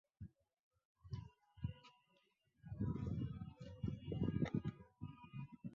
অতএব এই বিবাদের সীমাক্ষেত্র খুব বিস্তৃত নহে।